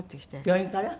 病院から？